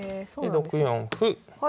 で６四歩。